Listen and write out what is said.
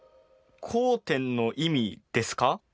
交点の意味ですか？